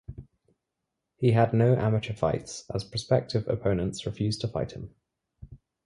He had had no amateur fights as prospective opponents refused to fight him.